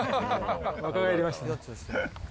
若返りましたね。